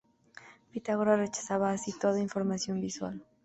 Pitágoras rechazaba así toda información visual.